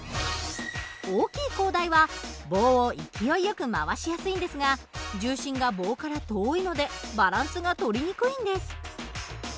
大きい高台は棒を勢いよく回しやすいんですが重心が棒から遠いのでバランスが取りにくいんです。